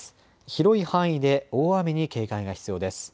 広い範囲で大雨に警戒が必要です。